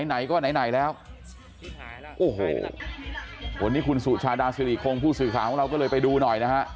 ไหนก็ไหนไหนแล้วโอ้โหวันนี้คุณสุชาดาสิริคงผู้สื่อข่าวของเราก็เลยไปดูหน่อยนะฮะ